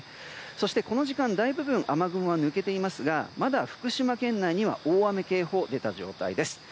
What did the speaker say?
そして、この時間大部分、雨雲は抜けていますがまだ福島県内には大雨警報が出た状態です。